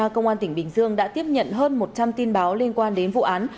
công an tỉnh bình dương đã tiếp nhận hơn một trăm linh tin báo liên quan đến vụ án